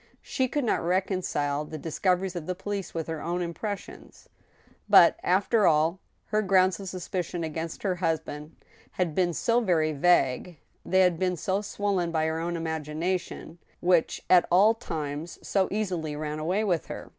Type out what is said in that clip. She could not reconcile the discoveries of the police with her own impressions. But, after all, her grounds of suspicion against her husband had 9 130 THE STEEL HAMMER. . been so very vague, they had been so swollen by her own imagina tion, which at all times so easily ran away with her